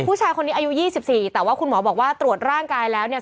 ผู้ชายคนนี้อายุ๒๔แต่ว่าคุณหมอบอกว่าตรวจร่างกายแล้วเนี่ย